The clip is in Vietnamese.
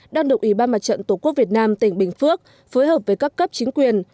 đang được ủy ban mặt trận tổ quốc việt nam tỉnh bình phước phối hợp với các cấp chính quyền